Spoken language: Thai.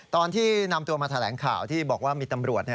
ตอนที่นำตัวมาแถลงข่าวที่บอกว่ามีตำรวจ